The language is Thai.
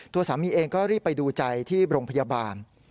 ตัวสามีเองก็รีบไปดูใจที่โรงพยาบาล